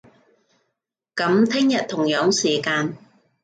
噉聽日，同樣時間